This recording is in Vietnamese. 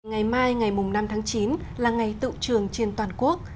ngày mai ngày năm tháng chín là ngày tự trường trên toàn quốc